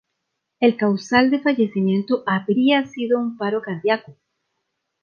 El causal del fallecimiento habría sido un paro cardíaco.